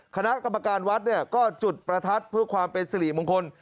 คณะกรรมการวัดเนี่ยก็จุดประทัดเพื่อความเป็นสิริมงคล